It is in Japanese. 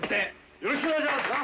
よろしくお願いします。